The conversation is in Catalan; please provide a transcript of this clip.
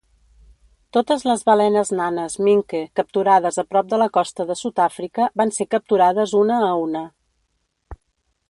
Totes les balenes nanes minke capturades a prop de la costa de Sud-Àfrica van ser capturades una a una.